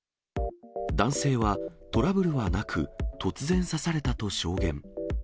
男性は、トラブルはなく、突然刺されたと証言。